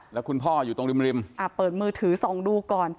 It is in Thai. แล้วคุณพ่ออยู่ตรงริมริมเปิดมือถือส่องดูก่อน